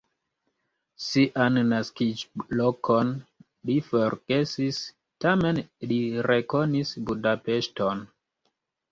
Sian naskiĝlokon li forgesis, tamen li rekonis Budapeŝton.